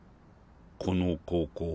この高校。